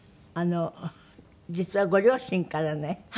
実はご両親からね